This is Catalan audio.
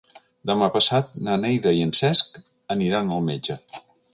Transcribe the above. Demà passat na Neida i en Cesc aniran al metge.